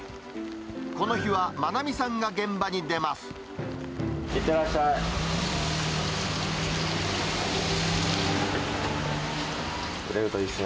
この日は愛美さんが現場に出ます。